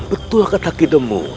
betul kata kidemu